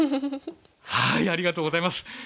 ありがとうございます。